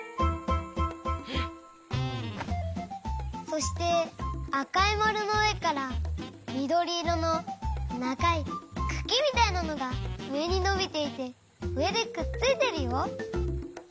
そしてあかいまるのうえからみどりいろのながいくきみたいなのがうえにのびていてうえでくっついてるよ。